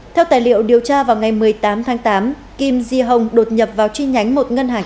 theo tài liệu điều tra vào ngày một mươi tám tháng tám kim yi hong đột nhập vào truy nhánh một ngân hàng